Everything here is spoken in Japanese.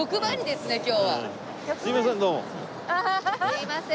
すいません。